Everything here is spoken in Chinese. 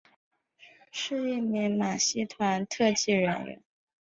是一名马戏团特技人员。